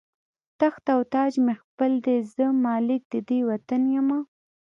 تخت او تاج مې خپل دی، زه مالک د دې وطن یمه